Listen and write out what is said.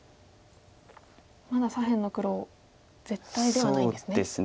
まだ左辺の黒絶対ではないんですね。